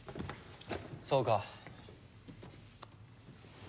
そうか。